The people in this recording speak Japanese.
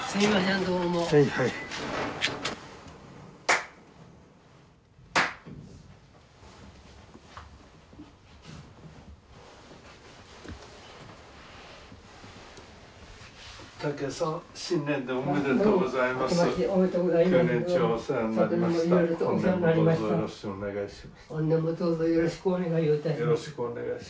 どうぞよろしくお願いをいたします。